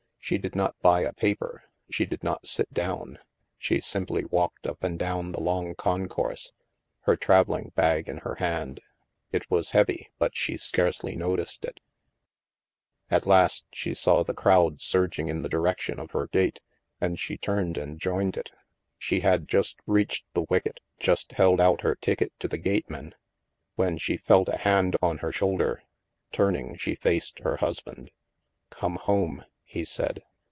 She did not buy a paper, she did not sit down. She simply walked up and down the long concourse, her traveling bag in her hand. It was heavy but she scarcely noticed it At last she saw the crowd surging in the direction of her gate, and she turned and joined it. She had just reached the wicket, just held out her ticket to the gateman, when she felt a hand on her shoulder. Turning, she faced her husband. " Come home," he said.